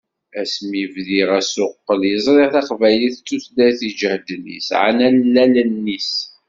Asmi bdiɣ asuqel i ẓriɣ taqbaylit d tutlayt iǧehden, yesɛan allalen-is.